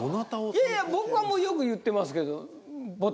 いやいや僕はよく言ってますけど。